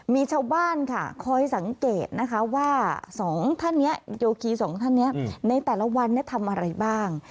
มีชาวบ้านค่ะคอยสังเกตนะคะว่า๒ท่านเนี่ยโยคี๒ท่านเนี่ยในแต่ละวันเนี่ยทำอะไรบ้าง